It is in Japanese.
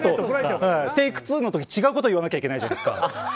テイク２の時、違うこと言わなきゃいけないじゃないですか。